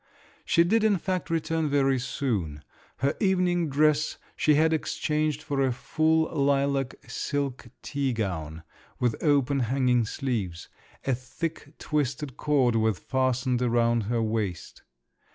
She did in fact return very soon. Her evening dress she had exchanged for a full lilac silk tea gown, with open hanging sleeves; a thick twisted cord was fastened round her waist.